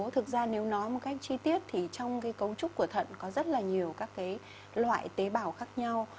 thực ra nếu nói một cách chi tiết thì trong cái cấu trúc của thận có rất là nhiều các loại tế bào khác nhau